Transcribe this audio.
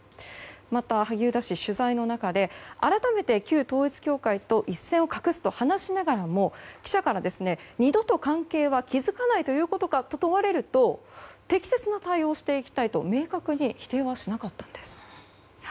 また萩生田氏取材の中で改めて旧統一教会と一線を画すと話しながらも記者から二度と関係は築かないということかと問われると適切な対応をしてきたいと明確に否定はしなかったんです。